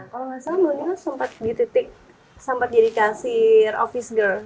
kalau gak salah mbak nilo sempat dititik sempat jadi kasir office girl